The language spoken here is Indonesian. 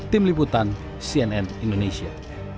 tim liputan cnn indonesia